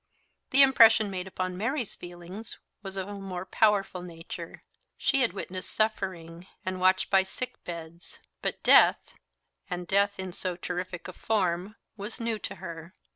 The impression made upon Mary's feelings was of a more powerful nature. She had witnessed suffering, and watched by sick beds; but death, and death in so terrific a form, was new to her.